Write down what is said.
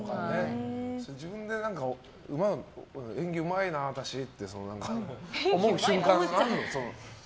自分で演技うまいな、私って思う瞬間、あるんですか？